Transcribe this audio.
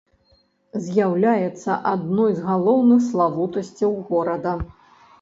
З'яўляецца адной з галоўных славутасцяў горада.